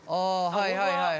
はいはいはい。